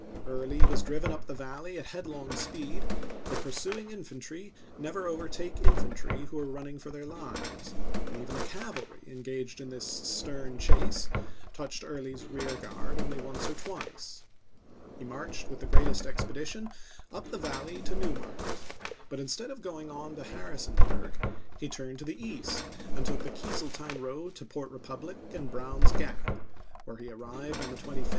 Early was driven up the Valley at headlong speed, but pursuing infantry never overtake infantry who are running for their lives, and even the cavalry en gaged in this stern chase touched Early's rear guard only once or twice. He marched with the greatest expedition up the Valley to New Market, but instead of going on to Harrisonburg he turned to the east and took the Keezeltown road to Port Republic and Brown's Gap, where he arrived on sept., 1864.